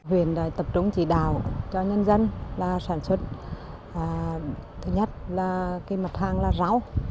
huyền tập trung chỉ đào cho nhân dân là sản xuất thứ nhất là cái mặt hàng là rau